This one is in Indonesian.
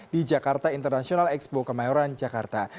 di jakarta international expo kemayoran jakarta